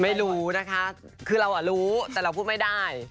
ไม่รู้นะคะคือเรารู้แต่เราพูดไม่ได้